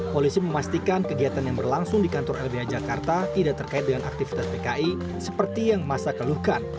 polisi memastikan kegiatan yang berlangsung di kantor lbh jakarta tidak terkait dengan aktivitas pki seperti yang masa keluhkan